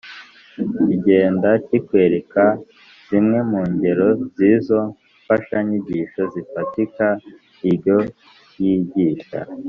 Kigenda kikwereka zimwe mu ngero z’izo mfashanyigisho zifatika. Iryo yigisha